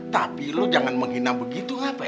tapi lu jangan menghina begitu apa